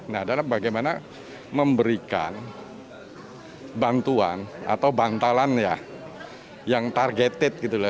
nah adalah bagaimana memberikan bantuan atau bantalan ya yang targeted gitu lah